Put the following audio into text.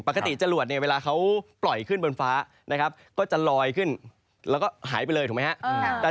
ปกติจรวดเวลาเขาปล่อยขึ้นบนฟ้าก็จะลอยขึ้นแล้วก็หายไปเลยถูกไหมครับ